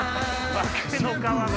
化けの皮が。